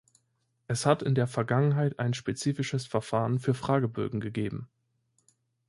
Es hat in der Vergangenheit ein spezifisches Verfahren für Fragebögen gegeben.